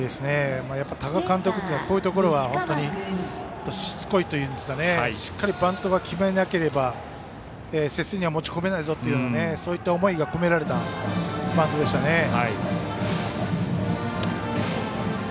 やっぱり多賀監督ってこういうところは本当にしつこいというかしっかりバントが決まらなければ接戦には持ち込めないぞといったそういう思いが込められたバントでしたね。